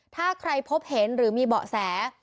ถ้าใครพบเห็นหรือมีเบาะแส